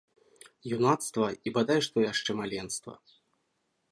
Юнацтва і бадай што яшчэ маленства!